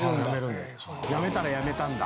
やめたらやめたんだ